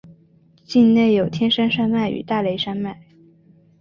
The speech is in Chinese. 境内有天台山脉与大雷山脉。